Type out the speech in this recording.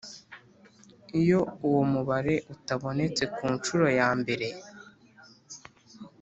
Iyo uwo umubare utabonetse ku nshuro yambere